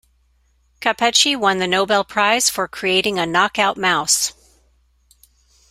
Capecchi won the Nobel prize for creating a knockout mouse.